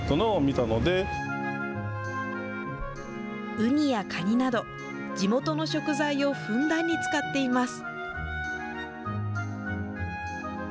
ウニやカニなど、地元の食材をふんだんに使っています。